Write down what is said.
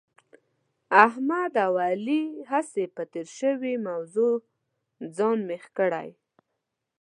علي او احمد هسې په تېره شوې موضوع ځان مېخ کړی دی.